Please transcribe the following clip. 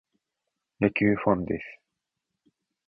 野球ファンです。